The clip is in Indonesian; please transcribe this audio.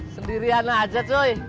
sendirian aja cuy